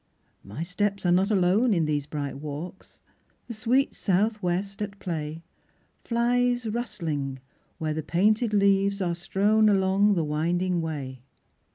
My steps are not alone In these bright walks; the sweet south west, at play Flies, rustling, where the painted leaves are strown Along the winding way.